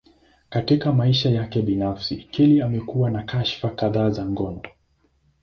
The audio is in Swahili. Katika maisha yake binafsi, Kelly amekuwa na kashfa kadhaa za ngono.